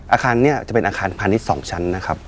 อาคารนี้จะเป็นอาคารพาณิชย์๒ชั้นนะครับ